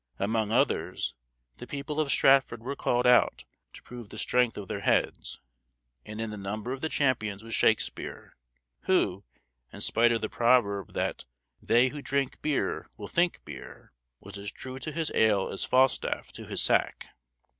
Among others, the people of Stratford were called out to prove the strength of their heads; and in the number of the champions was Shakespeare, who, in spite of the proverb that "they who drink beer will think beer," was as true to his ale as Falstaff to his sack.